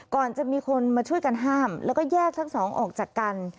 ก่อนจะมีคนมาช่วยกันห้ามแล้วก็แยกทั้งสองออกจากกัน